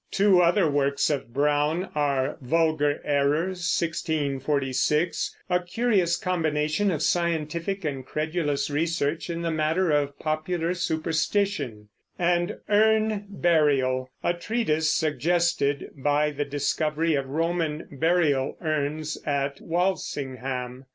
Two other works of Browne are Vulgar Errors (1646), a curious combination of scientific and credulous research in the matter of popular superstition, and Urn Burial, a treatise suggested by the discovery of Roman burial urns at Walsingham.